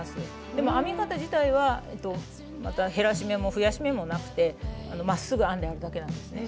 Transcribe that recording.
でも編み方自体は減らし目も増やし目もなくてまっすぐ編んであるだけなんですね。